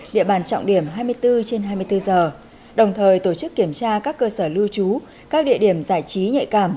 địa bàn trọng điểm hai mươi bốn trên hai mươi bốn giờ đồng thời tổ chức kiểm tra các cơ sở lưu trú các địa điểm giải trí nhạy cảm